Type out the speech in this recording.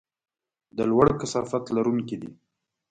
د لوړ کثافت لرونکي دي.